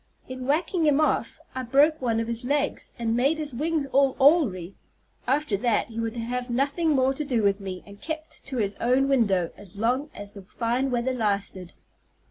In whacking him off I broke one of his legs, and made his wings all awry. After that he would have nothing more to do with me, but kept to his own window as long as the fine weather lasted.